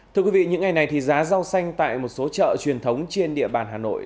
thưa quý vị những ngày này thì giá rau xanh tại một số chợ truyền thống trên địa bàn hà nội